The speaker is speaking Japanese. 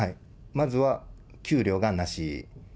まずは、給料がなし。